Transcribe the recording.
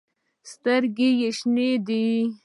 سترګې ېې شنې دي